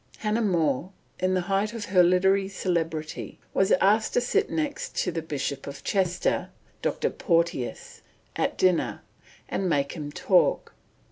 Hannah More, in the height of her literary celebrity, was asked to sit next the Bishop of Chester, Dr. Porteous, at dinner, and make him talk.